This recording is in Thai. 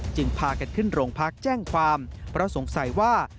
พากันขึ้นโรงพักแจ้งความเพราะสงสัยว่า